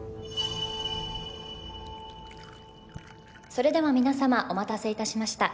それでは皆さまお待たせいたしました。